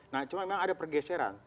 nah cuma memang ada pergeseran